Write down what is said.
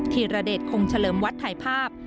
ธีรเดชคงเฉลิมวัดถ่ายภาพ